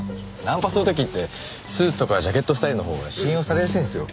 ナンパする時ってスーツとかジャケットスタイルのほうが信用されやすいんですよ。